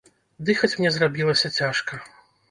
Дыхаць мне зрабілася цяжка.